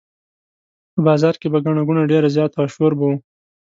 په بازار کې به ګڼه ګوڼه ډېره زیاته وه شور به و.